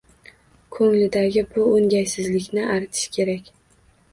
Ko’nglidagi bu o’ng’aysizlikni aritish kerak.